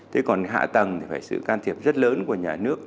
thế còn hạ tầng thì phải sự can thiệp rất lớn của nhà nước